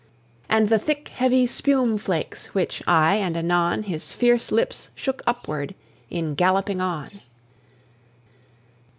And the thick, heavy spume flakes which aye and anon His fierce lips shook upward in galloping on.